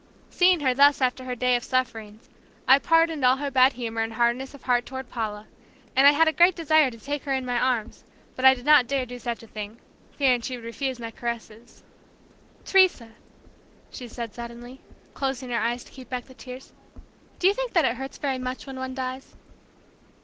Seeing her thus after her day of sufferings, I pardoned all her bad humor and hardness of heart toward Paula; and I had a great desire to take her in my arms but I did not dare do such a thing fearing she would refuse my caresses. "Teresa," she said suddenly, closing her eyes to keep back the tears, "do you think that it hurts very much when one dies?"